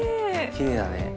きれいだね。